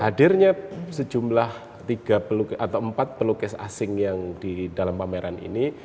hadirnya sejumlah tiga atau empat pelukis asing yang di dalam pameran ini